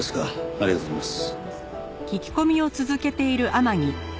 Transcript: ありがとうございます。